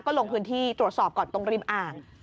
ก็ลงพื้นที่ตรวจสอบก่อนตรงริมอ่าง